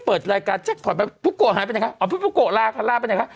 เปิดรายการจัดข่อยไปพูโกหายไปไหนค่ะอ๋อพูโกลาค่ะลาไปไหนค่ะ